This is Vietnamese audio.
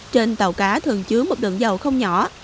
trên tàu cá thường chứa một lượng dầu không nhỏ